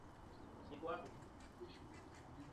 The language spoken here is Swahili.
na asilimia tano Jamhuri ya Kidemokrasia ya Kongo